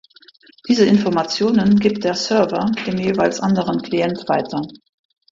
Diese Informationen gibt der Server dem jeweils anderen Client weiter.